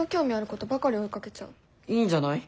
いいんじゃない？